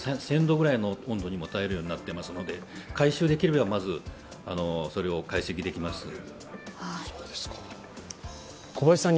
１０００度くらいの温度にも耐えられるようになってますので回収できれば、まずそれを解析できます。